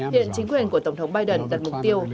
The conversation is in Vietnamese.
hiện chính quyền của tổng thống biden đặt mục tiêu